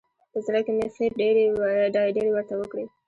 په زړه کې مې ښې ډېرې ورته وکړې.